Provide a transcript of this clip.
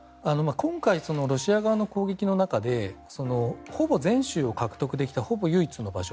今回ロシア側の攻撃の中でほぼ全州を獲得できたほぼ唯一の場所。